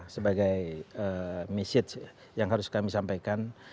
sebagai message yang harus kami sampaikan